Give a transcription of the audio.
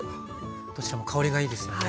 どちらも香りがいいですよね。